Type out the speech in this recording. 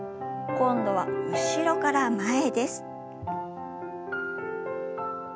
今度は後ろから前です。